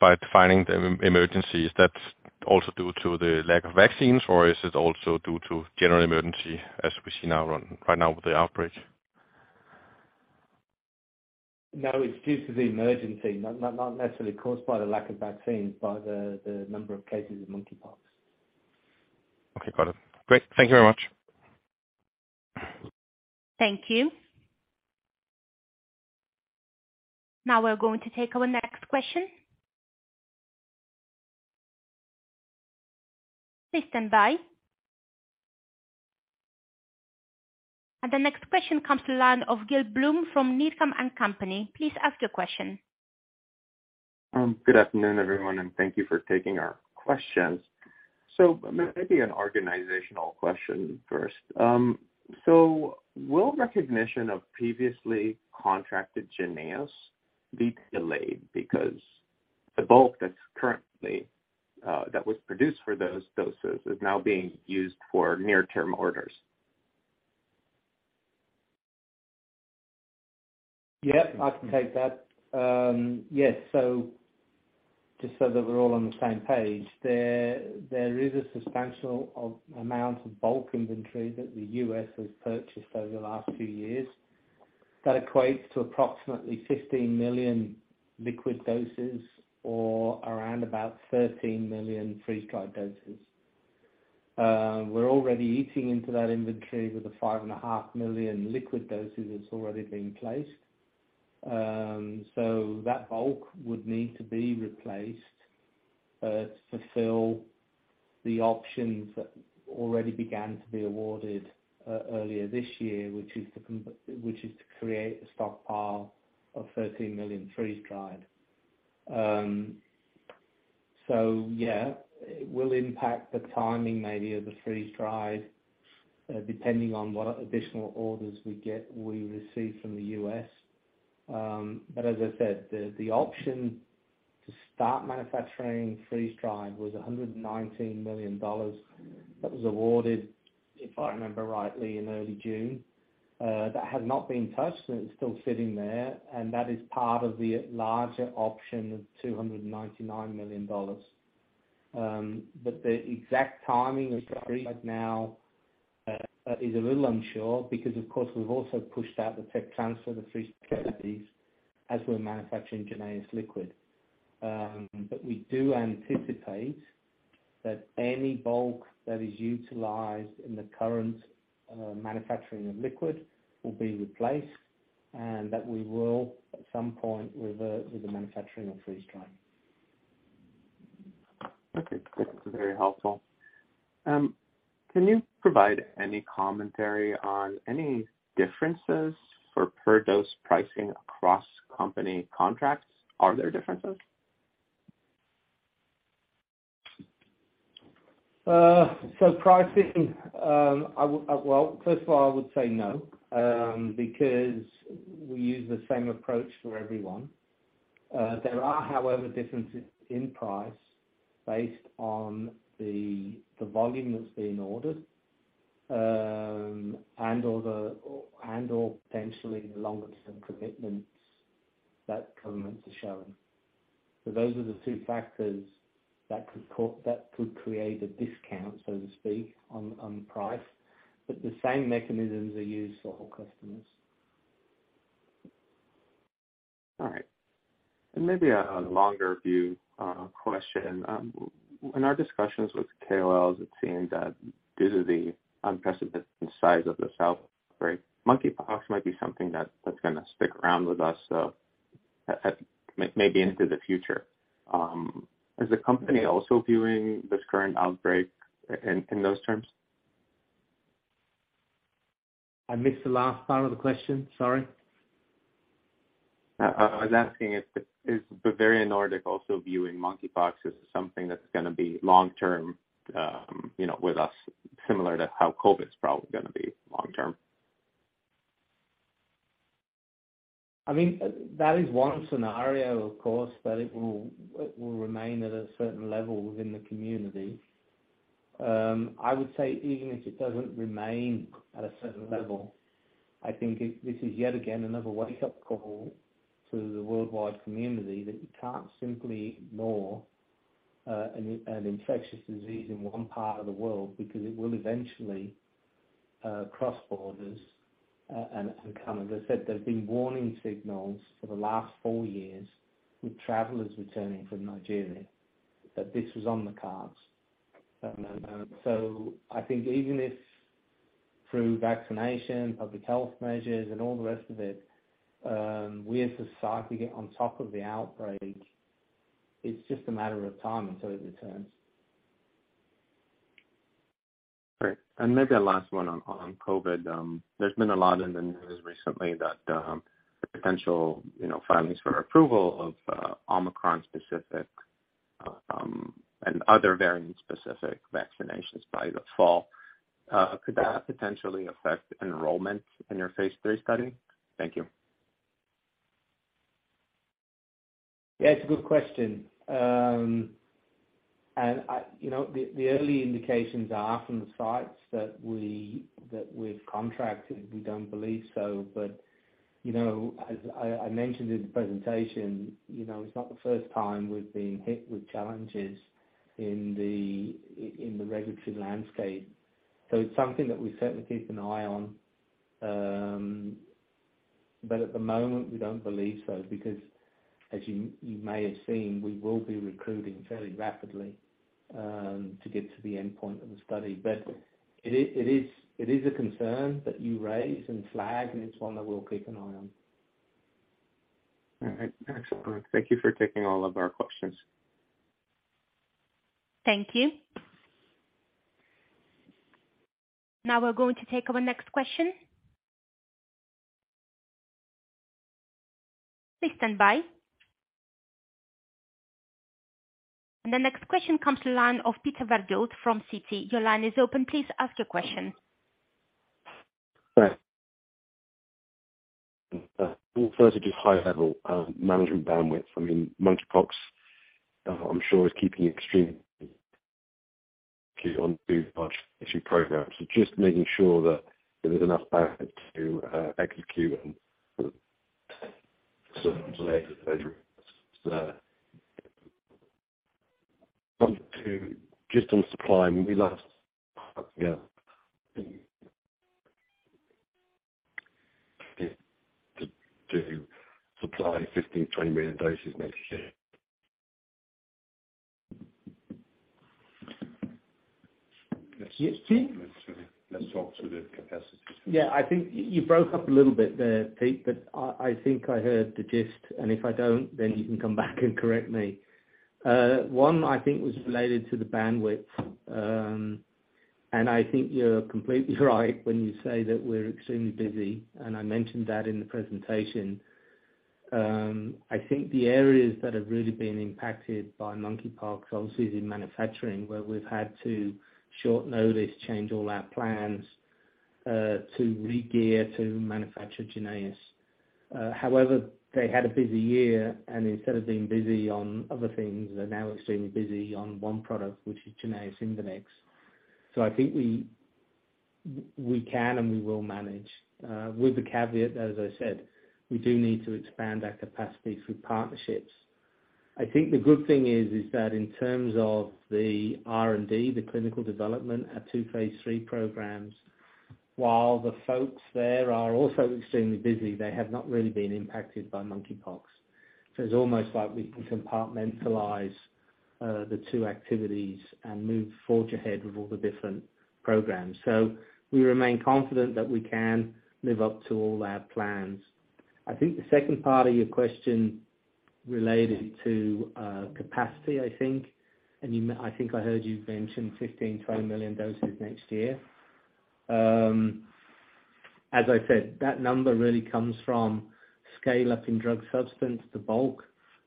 [SPEAKER 5] By defining the emergencies, that's also due to the lack of vaccines or is it also due to general emergency as we see now on, right now with the outbreaks?
[SPEAKER 4] No, it's due to the emergency, not necessarily caused by the lack of vaccines, by the number of cases of monkeypox.
[SPEAKER 5] Okay. Got it. Great. Thank you very much.
[SPEAKER 1] Thank you. Now we're going to take our next question. Please stand by. The next question comes from the line of Gil Blum from Needham & Company. Please ask your question.
[SPEAKER 6] Good afternoon everyone, and thank you for taking our questions. Maybe an organizational question first. Will recognition of previously contracted JYNNEOS be delayed because the bulk that's currently, that was produced for those doses is now being used for near term orders?
[SPEAKER 3] Yeah, I can take that. Just so that we're all on the same page there is a substantial amount of bulk inventory that the U.S. has purchased over the last few years. That equates to approximately 15 million liquid doses or around about 13 million freeze-dried doses. We're already eating into that inventory with the 5.5 million liquid doses that's already been placed. That bulk would need to be replaced to fulfill the options that already began to be awarded earlier this year, which is to create a stockpile of 13 million freeze-dried doses. Yeah, it will impact the timing maybe of the freeze-dried, depending on what additional orders we receive from the U.S. But as I said, the option to start manufacturing freeze-dried was $119 million that was awarded, if I remember rightly, in early June. That had not been touched, and it's still sitting there, and that is part of the larger option of $299 million. The exact timing of right now is a little unsure because, of course, we've also pushed out the tech transfer, the freeze capabilities as we're manufacturing JYNNEOS Liquid. We do anticipate that any bulk that is utilized in the current manufacturing of liquid will be replaced, and that we will, at some point, revert with the manufacturing of freeze-dried.
[SPEAKER 6] Okay. That's very helpful. Can you provide any commentary on any differences for per-dose pricing across company contracts? Are there differences?
[SPEAKER 3] Pricing. Well, first of all, I would say no because we use the same approach for everyone. There are, however, differences in price based on the volume that's being ordered and/or potentially the longer-term commitments that governments are showing. Those are the two factors that could create a discount, so to speak, on price. The same mechanisms are used for all customers.
[SPEAKER 6] All right. Maybe a longer view question. In our discussions with KOLs, it seemed that due to the unprecedented size of this outbreak, monkeypox might be something that that's gonna stick around with us at maybe into the future. Is the company also viewing this current outbreak in those terms?
[SPEAKER 3] I missed the last part of the question, sorry.
[SPEAKER 6] I was asking if Bavarian Nordic is also viewing monkeypox as something that's gonna be long-term, you know, with us similar to how COVID's probably gonna be long-term?
[SPEAKER 3] I mean, that is one scenario, of course, that it will remain at a certain level within the community. I would say even if it doesn't remain at a certain level, I think this is yet again another wake-up call to the worldwide community that you can't simply ignore an infectious disease in one part of the world because it will eventually cross borders. Kind of, as I said, there's been warning signals for the last four years with travelers returning from Nigeria that this was on the cards. I think even if through vaccination, public health measures, and all the rest of it, we as a society get on top of the outbreak, it's just a matter of time until it returns.
[SPEAKER 6] Great. Maybe a last one on COVID. There's been a lot in the news recently that potential, you know, filings for approval of Omicron-specific and other variant-specific vaccinations by the fall. Could that potentially affect enrollment in your phase III study? Thank you.
[SPEAKER 3] Yeah, it's a good question. You know, the early indications are from the sites that we've contracted, we don't believe so. You know, as I mentioned in the presentation, you know, it's not the first time we've been hit with challenges in the regulatory landscape. It's something that we certainly keep an eye on. At the moment, we don't believe so because as you may have seen, we will be recruiting fairly rapidly to get to the endpoint of the study. It is a concern that you raise and flag, and it's one that we'll keep an eye on.
[SPEAKER 6] All right. Excellent. Thank you for taking all of our questions.
[SPEAKER 1] Thank you. Now we're going to take our next question. Please stand by. The next question comes from the line of Peter Verdult from Citi. Your line is open. Please ask your question.
[SPEAKER 7] Thanks. First, just high-level management bandwidth. I mean, monkeypox, I'm sure is keeping the team extremely busy on too many other programs. Just making sure that there is enough bandwidth to execute, and onto just on supply, when we last talked to supply 15-20 million doses next year.
[SPEAKER 3] Yes, Pete?
[SPEAKER 7] Let's talk to the capacity.
[SPEAKER 3] Yeah, I think you broke up a little bit there, Pete, but I think I heard the gist. If I don't, then you can come back and correct me. One, I think, was related to the bandwidth. I think you're completely right when you say that we're extremely busy, and I mentioned that in the presentation. I think the areas that have really been impacted by monkeypox, obviously, is in manufacturing, where we've had to short-notice change all our plans, to regear to manufacture JYNNEOS. However, they had a busy year, and instead of being busy on other things, they're now extremely busy on one product, which is JYNNEOS in the mix. I think we can, and we will manage, with the caveat, as I said, we do need to expand our capacity through partnerships. I think the good thing is that in terms of the R&D, the clinical development, our two phase III programs, while the folks there are also extremely busy, they have not really been impacted by monkeypox. It's almost like we can compartmentalize the two activities and forge ahead with all the different programs. We remain confident that we can live up to all our plans. I think the second part of your question related to capacity. I think I heard you mention 15, 20 million doses next year. As I said, that number really comes from scale-up in drug substance, the Bulk,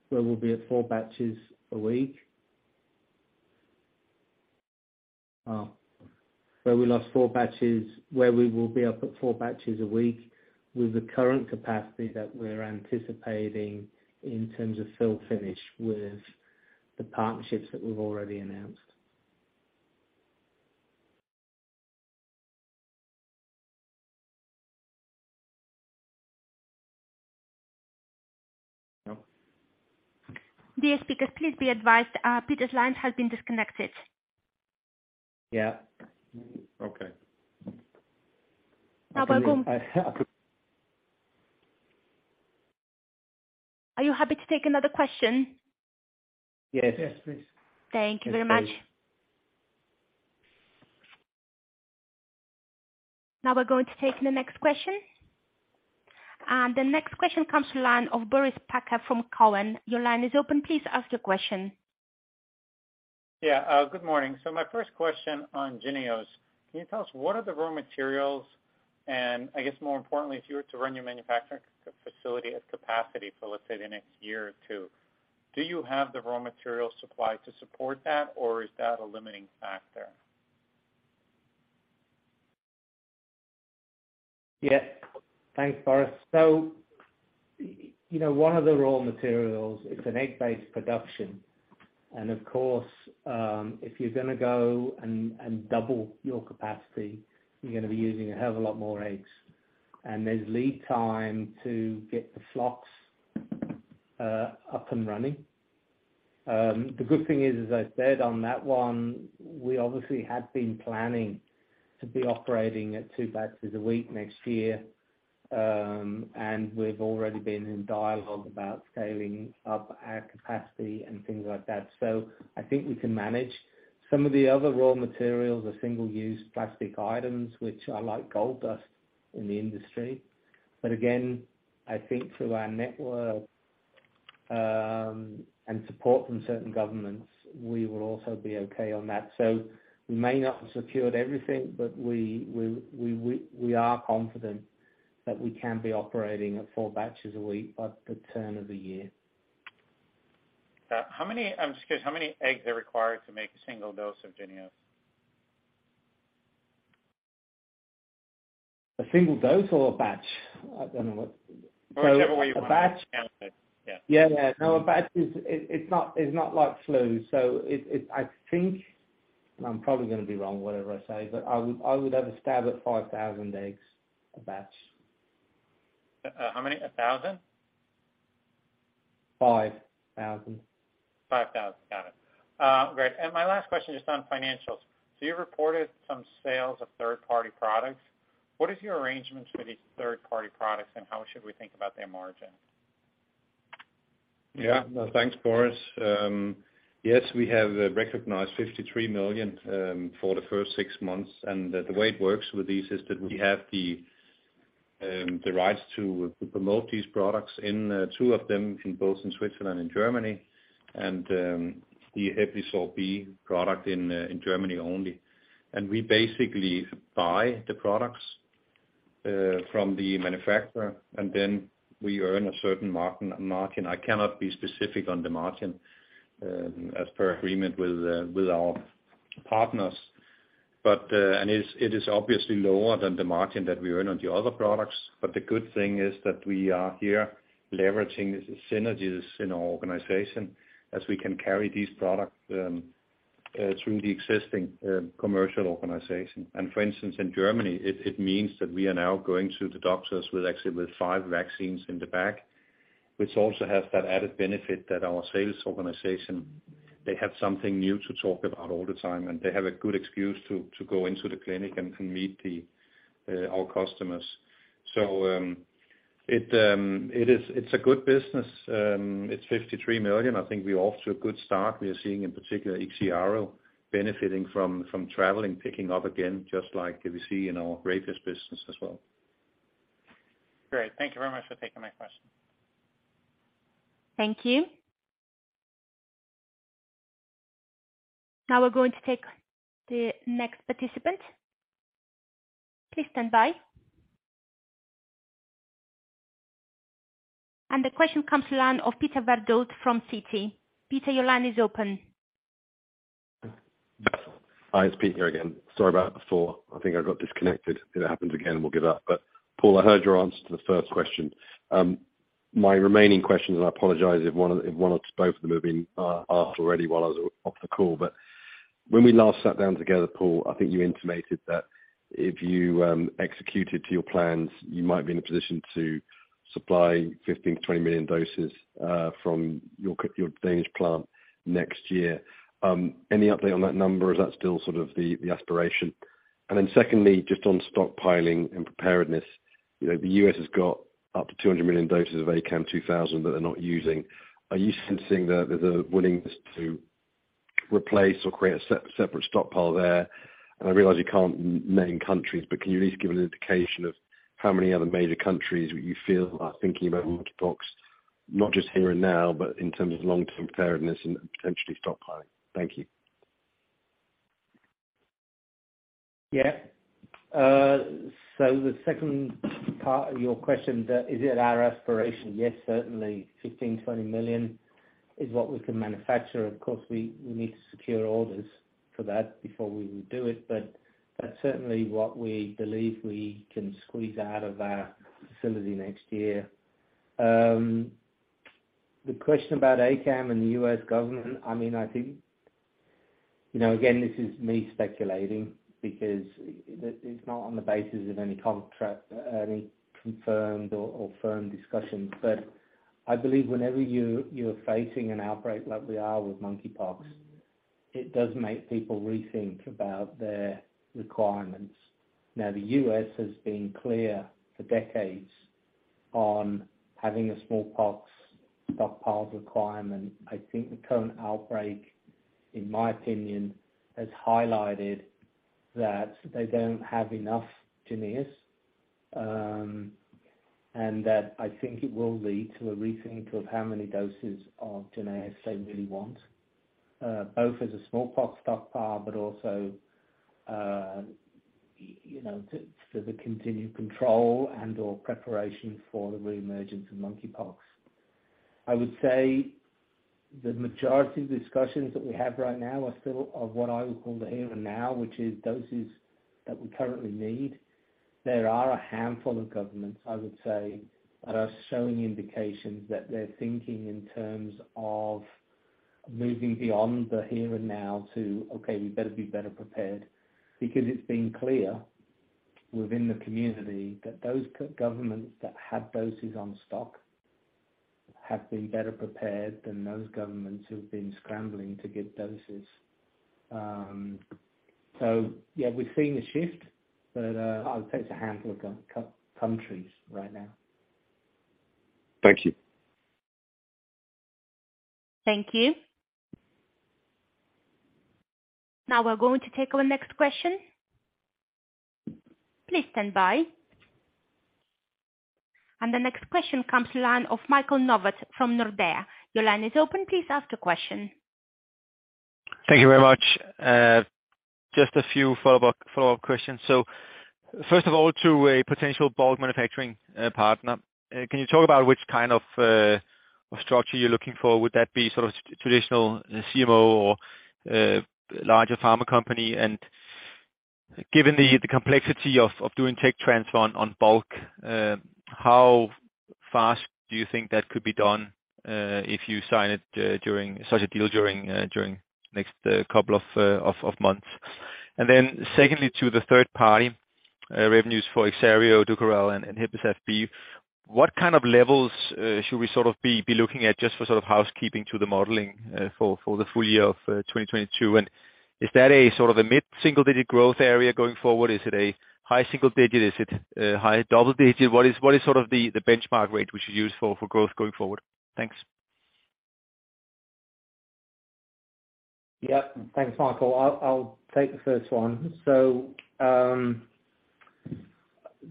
[SPEAKER 3] where we'll be at four batches a week. where we will be up to four batches a week with the current capacity that we're anticipating in terms of fill-finish with the partnerships that we've already announced.
[SPEAKER 1] Dear speakers, please be advised, Peter's line has been disconnected.
[SPEAKER 3] Yeah.
[SPEAKER 4] Okay.
[SPEAKER 1] Now we're going.
[SPEAKER 3] I could.
[SPEAKER 1] Are you happy to take another question?
[SPEAKER 3] Yes.
[SPEAKER 4] Yes, please.
[SPEAKER 1] Thank you very much. Now we're going to take the next question. The next question comes to line of Boris Peaker from Cowen. Your line is open. Please ask your question.
[SPEAKER 8] Yeah, good morning. My first question on JYNNEOS. Can you tell us what are the raw materials, and I guess more importantly, if you were to run your manufacturing facility at capacity for, let's say, the next year or two, do you have the raw material supply to support that, or is that a limiting factor?
[SPEAKER 3] Yeah. Thanks, Boris. You know, one of the raw materials, it's an egg-based production. Of course, if you're gonna go and double your capacity, you're gonna be using a hell of a lot more eggs. There's lead time to get the flocks up and running. The good thing is, as I said on that one, we obviously had been planning to be operating at two batches a week next year, and we've already been in dialogue about scaling up our capacity and things like that. I think we can manage. Some of the other raw materials are single-use plastic items, which are like gold dust in the industry. Again, I think through our network and support from certain governments, we will also be okay on that. We may not have secured everything, but we are confident that we can be operating at four batches a week by the turn of the year.
[SPEAKER 8] I'm just curious, how many eggs are required to make a single dose of JYNNEOS?
[SPEAKER 3] A single dose or a batch?
[SPEAKER 8] Whichever way you want to count it.
[SPEAKER 3] So, a batch.
[SPEAKER 8] Yeah.
[SPEAKER 3] Yeah, no, a batch is. It's not like flu, so I think, and I'm probably gonna be wrong whatever I say, but I would have a stab at 5,000 eggs a batch.
[SPEAKER 8] How many? 1,000?
[SPEAKER 3] 5,000.
[SPEAKER 8] 5,000. Got it. Great. My last question is on financials. You reported some sales of third-party products. What is your arrangements for these third-party products, and how should we think about their margin?
[SPEAKER 4] Yeah. Thanks, Boris. Yes, we have recognized 53 million for the first six months. The way it works with these is that we have the rights to promote these products in two of them, in both Switzerland and Germany, and the HEPLISAV-B product in Germany only. We basically buy the products from the manufacturer, and then we earn a certain margin. I cannot be specific on the margin as per agreement with our partners. It is obviously lower than the margin that we earn on the other products. The good thing is that we are here leveraging synergies in our organization as we can carry these products through the existing commercial organization. For instance, in Germany, it means that we are now going to the doctors with actually with five vaccines in the bag, which also has that added benefit that our sales organization, they have something new to talk about all the time, and they have a good excuse to go into the clinic and meet our customers. It is a good business. It's 53 million. I think we're off to a good start. We are seeing in particular IXIARO benefiting from traveling picking up again, just like we see in our rabies business as well.
[SPEAKER 8] Great. Thank you very much for taking my question.
[SPEAKER 1] Thank you. Now we're going to take the next participant. Please stand by. The question comes from the line of Peter Verdult from Citi. Peter, your line is open.
[SPEAKER 7] Hi, it's Pete here again. Sorry about before. I think I got disconnected. If it happens again, we'll give up. Paul, I heard your answer to the first question. My remaining questions, and I apologize if one or both of them have been asked already while I was off the call. When we last sat down together, Paul, I think you intimated that if you executed to your plans, you might be in a position to supply 15-20 million doses from your Danish plant next year. Any update on that number? Is that still sort of the aspiration? Then secondly, just on stockpiling and preparedness, you know, the U.S. has got up to 200 million doses of ACAM2000 that they're not using. Are you sensing that there's a willingness to replace or create a separate stockpile there? I realize you can't name countries, but can you at least give an indication of how many other major countries would you feel are thinking about monkeypox, not just here and now, but in terms of long-term preparedness and potentially stockpiling? Thank you.
[SPEAKER 3] Yeah. The second part of your question. Is it our aspiration? Yes, certainly. 15-20 million is what we can manufacture. Of course, we need to secure orders for that before we would do it. That's certainly what we believe we can squeeze out of our facility next year. The question about ACAM and the U.S. government, I mean, I think, you know, again, this is me speculating because it's not on the basis of any contract, any confirmed or firm discussions. I believe whenever you're facing an outbreak like we are with monkeypox, it does make people rethink about their requirements. Now, the U.S. has been clear for decades on having a smallpox stockpile requirement. I think the current outbreak, in my opinion, has highlighted that they don't have enough JYNNEOS, and that I think it will lead to a rethink of how many doses of JYNNEOS they really want, both as a smallpox stockpile, but also, you know, to, for the continued control and/or preparation for the reemergence of monkeypox. I would say the majority of discussions that we have right now are still of what I would call the here and now, which is doses that we currently need. There are a handful of governments, I would say, that are showing indications that they're thinking in terms of moving beyond the here and now to, "Okay, we better be better prepared," because it's been clear within the community that those governments that had doses on stock have been better prepared than those governments who've been scrambling to get doses. Yeah, we've seen a shift, but I would say it's a handful of countries right now.
[SPEAKER 7] Thank you.
[SPEAKER 1] Thank you. Now we're going to take our next question. Please stand by. The next question comes from the line of Michael Novod from Nordea. Your line is open. Please ask a question.
[SPEAKER 9] Thank you very much. Just a few follow-up questions. First of all, to a potential bulk manufacturing partner, can you talk about which kind of structure you're looking for? Would that be sort of traditional CMO or larger pharma company? Given the complexity of doing tech transfer on bulk, how fast do you think that could be done if you sign such a deal during next couple of months? Secondly, to the third party revenues for IXIARO, Dukoral and HEPLISAV-B, what kind of levels should we sort of be looking at just for sort of housekeeping to the modeling for the full year of 2022? Is that a sort of a mid-single digit growth area going forward? Is it a high single digit? Is it a high double digit? What is sort of the benchmark rate which is used for growth going forward? Thanks.
[SPEAKER 3] Thanks, Michael. I'll take the first one.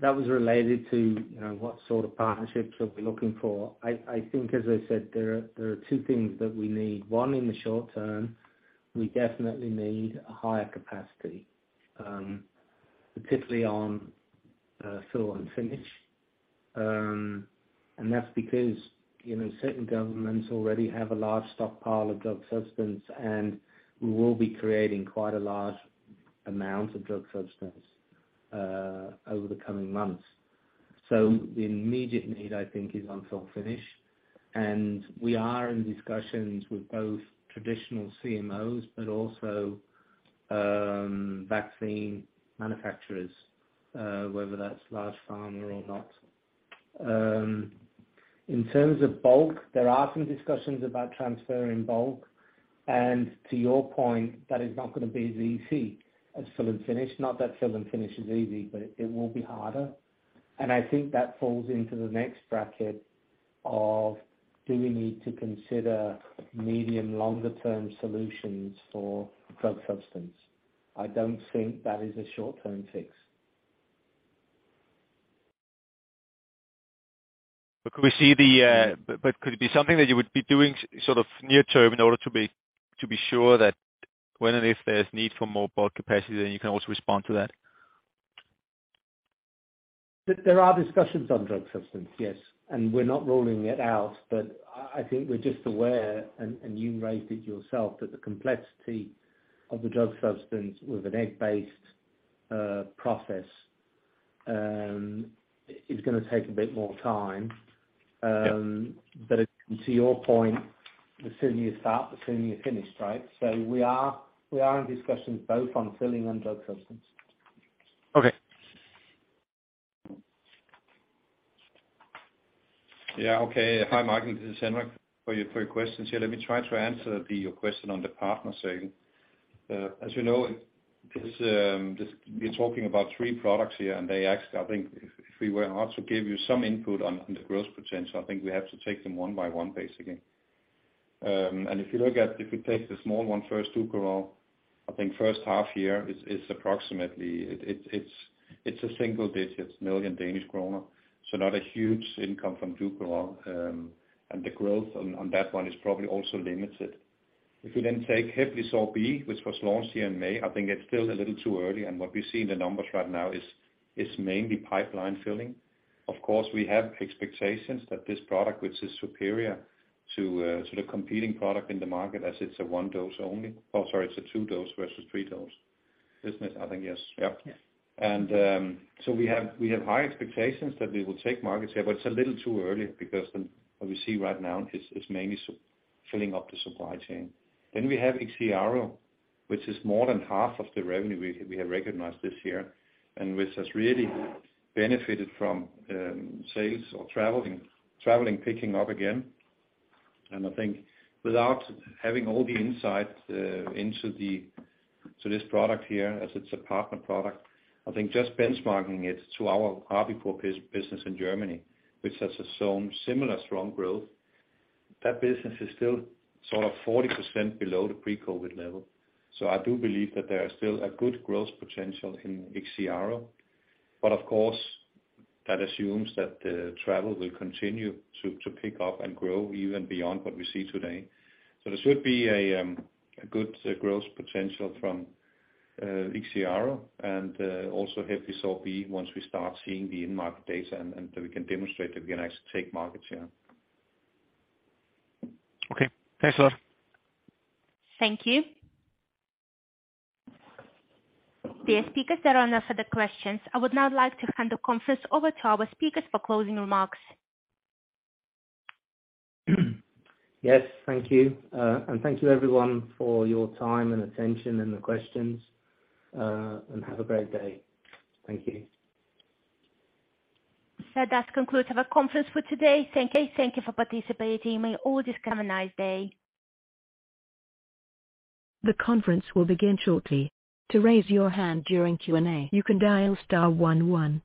[SPEAKER 3] That was related to, you know, what sort of partnerships are we looking for. I think as I said, there are two things that we need. One, in the short term, we definitely need a higher capacity, particularly on fill and finish. That's because, you know, certain governments already have a large stockpile of drug substance, and we will be creating quite a large amount of drug substance over the coming months. The immediate need, I think, is on fill finish, and we are in discussions with both traditional CMOs, but also vaccine manufacturers, whether that's large pharma or not. In terms of bulk, there are some discussions about transferring bulk, and to your point, that is not gonna be as easy as fill and finish. Not that fill and finish is easy, but it will be harder. I think that falls into the next bracket of do we need to consider medium, longer term solutions for drug substance. I don't think that is a short-term fix.
[SPEAKER 9] Could it be something that you would be doing sort of near term in order to be sure that when and if there's need for more bulk capacity, then you can also respond to that?
[SPEAKER 3] There are discussions on drug substance, yes. We're not ruling it out, but I think we're just aware, and you raised it yourself, that the complexity of the drug substance with an egg-based process is gonna take a bit more time. But to your point, the sooner you start, the sooner you're finished, right? We are in discussions both on filling and drug substance.
[SPEAKER 9] Okay.
[SPEAKER 4] Yeah, okay. Hi Michael, this is Henrik Juuel. For your questions here, let me try to answer your question on the partner segment. As you know, it's just we're talking about three products here, and I think if we were to also give you some input on the growth potential, I think we have to take them one by one, basically. If we take the small one first, Dukoral, I think first half year is approximately a single-digit million DKK, so not a huge income from Dukoral. The growth on that one is probably also limited. If we then take HEPLISAV-B, which was launched here in May, I think it's still a little too early, and what we see in the numbers right now is mainly pipeline filling. Of course, we have expectations that this product, which is superior to the competing product in the market as it's a one dose only. Oh, sorry, it's a two dose versus three dose. Isn't it? I think yes. Yep.
[SPEAKER 3] Yeah.
[SPEAKER 4] We have high expectations that we will take market share, but it's a little too early because what we see right now is mainly just filling up the supply chain. We have IXIARO, which is more than half of the revenue we have recognized this year, and which has really benefited from sales or traveling picking up again. I think without having all the insight into this product here, as it's a partner product, I think just benchmarking it to our Encepur business in Germany, which has its own similar strong growth, that business is still sort of 40% below the pre-COVID level. I do believe that there are still a good growth potential in IXIARO. Of course, that assumes that the travel will continue to pick up and grow even beyond what we see today. There should be a good growth potential from IXIARO and also HEPLISAV-B once we start seeing the in-market data and that we can demonstrate that we can actually take market share.
[SPEAKER 9] Okay. Thanks a lot.
[SPEAKER 1] Thank you. Dear speakers, there are no further questions. I would now like to hand the conference over to our speakers for closing remarks.
[SPEAKER 3] Yes. Thank you. Thank you everyone for your time and attention and the questions and have a great day. Thank you.
[SPEAKER 1] That concludes our conference for today. Thank you. Thank you for participating. May you all just have a nice day. The conference will begin shortly. To raise your hand during Q&A, you can dial star one one.